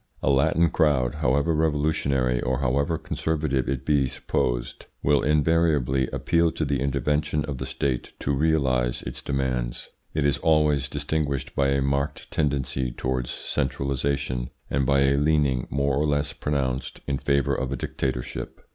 A Latin crowd, however revolutionary or however conservative it be supposed, will invariably appeal to the intervention of the State to realise its demands. It is always distinguished by a marked tendency towards centralisation and by a leaning, more or less pronounced, in favour of a dictatorship.